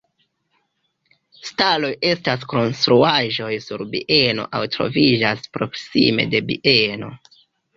Staloj estas konstruaĵoj sur bieno aŭ troviĝas proksime de bieno.